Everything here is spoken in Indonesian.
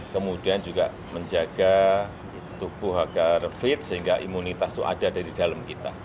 kemudian juga menjaga tubuh agar fit sehingga imunitas itu ada dari dalam kita